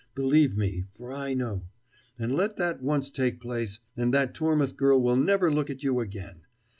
Believe me, for I know. And let that once take place, and that Tormouth girl will never look at you again.